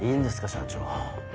社長。